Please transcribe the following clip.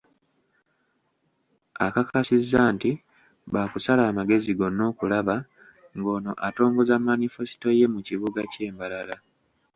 Akakasizza nti, baakusala amagezi gonna okulaba ng'ono atongoza manifesito ye mu kibuga kye Mbarara.